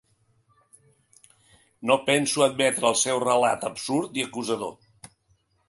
No penso admetre el seu relat absurd i acusador.